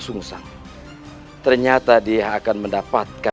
sungsang ternyata dia akan mendapatkan